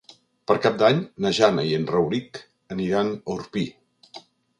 Per Cap d'Any na Jana i en Rauric aniran a Orpí.